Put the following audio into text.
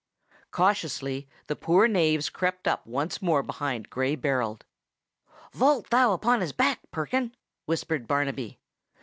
Cautiously the poor knaves crept up once more behind Gray Berold. "Vault thou upon his back, Perkin!" whispered Barnaby.